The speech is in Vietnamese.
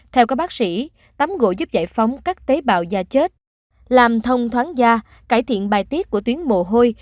theo các bác sĩ tấm gỗ giúp giải phóng các tế bào da chết làm thông thoáng da cải thiện bài tiết của tuyến mồ hôi